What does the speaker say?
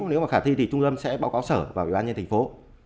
nếu mà khả thi thì trung tâm sẽ báo cáo sở và ủy ban nhân thành phố